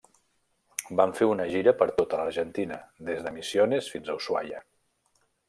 Van fer una gira per tota l'Argentina, des de Misiones fins a Ushuaia.